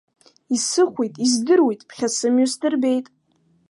Исыхәеит, издыруеит, ԥхьа сымҩа сдырбеит.